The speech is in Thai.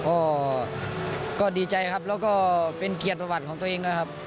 ก็ดีใจครับแล้วก็เป็นเกียรติประวัติของตัวเองด้วยครับ